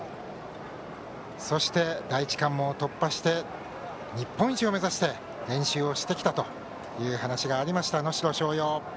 そして、第１関門を突破して日本一を目指して練習をしてきたという話がありました、能代松陽。